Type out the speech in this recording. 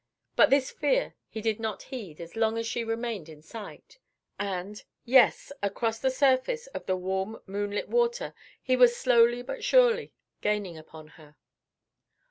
But this fear he did not heed as long as she remained in sight, and yes, across the surface of the warm moonlit water he was slowly but surely gaining upon her.